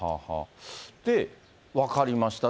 で、分かりました。